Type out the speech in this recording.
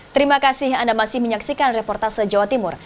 terima kasih anda masih menyaksikan reportase jawa timur